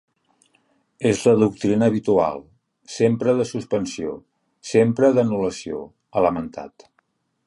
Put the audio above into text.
És la doctrina habitual, sempre de suspensió, sempre d’anul·lació, ha lamentat.